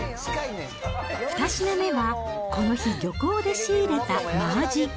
２品目は、この日、漁港で仕入れたマアジ。